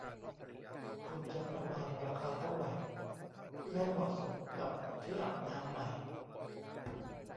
คุณจะประมาณราคาเท่าไหร่เพื่อให้เหมาะสมกับที่อาบน้ำใหม่